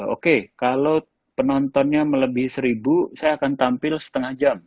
oke kalau penontonnya melebihi seribu saya akan tampil setengah jam